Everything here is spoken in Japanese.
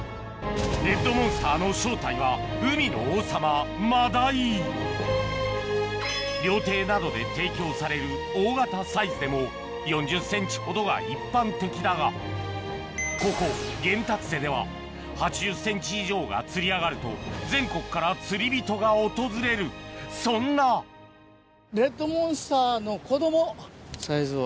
レッドモンスターの正体は海の王様料亭などで提供される大型サイズでも４０ｃｍほどが一般的だがここ玄達瀬では８０ｃｍ以上が釣り上がると全国から釣り人が訪れるそんなサイズを。